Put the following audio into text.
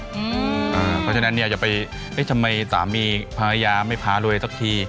เพราะฉะนั้นเนี่ยจะไปทำไมสามีภรรยาไม่พารวยสักที